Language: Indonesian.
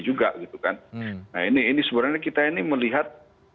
nah ini sebenarnya kita ini melihat